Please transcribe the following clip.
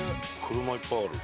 車いっぱいある。